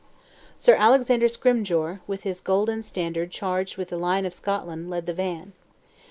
Sir Alexander Scrymgeour, with his golden standard charged with the lion of Scotland, led the van.